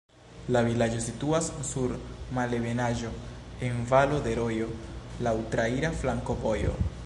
La vilaĝo situas sur malebenaĵo, en valo de rojo, laŭ traira flankovojo.